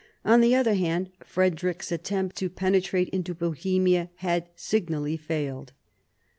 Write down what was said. On the other hand, Frederick's attempt to penetrate into Bohemia had signally failed.